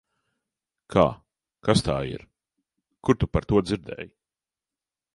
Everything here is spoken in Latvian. Kā? Kas tā ir? Kur tu par to dzirdēji?